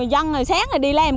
dân sáng đi làm